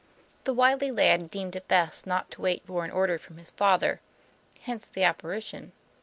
The wily lad deemed it best not to wait for an order from his father. Hence the apparition.